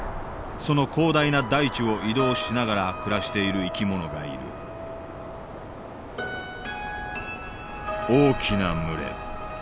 その広大な大地を移動しながら暮らしている生き物がいる大きな群れ。